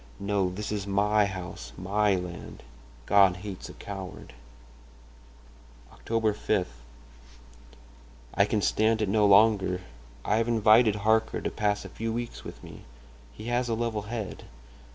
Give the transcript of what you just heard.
No, this is my house, my land. God hates a coward ... "Oct. 5.—I can stand it no longer; I have invited Harker to pass a few weeks with me—he has a level head.